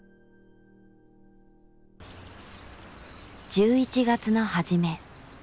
１１月の初め。